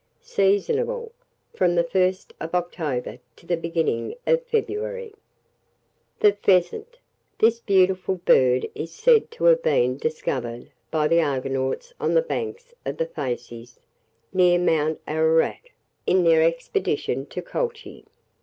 Seasonable from the 1st of October to the beginning of February. [Illustration: THE PHEASANT.] THE PHEASANT. This beautiful bird is said to have been discovered by the Argonauts on the banks of the Phasis, near Mount Ararat, in their expedition to Colchis.